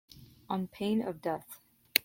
On pain of death.